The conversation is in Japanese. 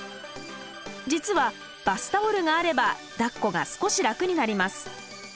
実はバスタオルがあればだっこが少し楽になります。